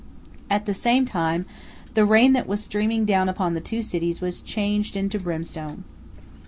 At the same time the rain that was streaming down upon the two cities was changed into brimstone.